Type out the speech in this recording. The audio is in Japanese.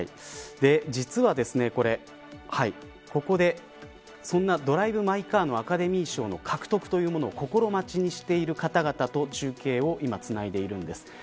実は、ここでそんなドライブ・マイ・カーのアカデミー賞の獲得というものを心待ちにしている方々と今、中継をつないでいます。